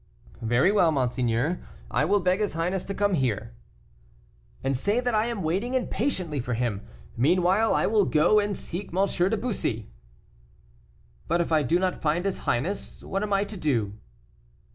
"Very well, monseigneur, I will beg his highness to come here." "And say that I am waiting impatiently for him. Meanwhile I will go and seek M. de Bussy." "But if I do not find his highness, what am I to do?"